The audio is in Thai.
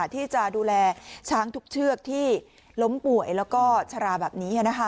ที่จะดูแลช้างทุกเชือกที่ล้มป่วยแล้วก็ชะลาแบบนี้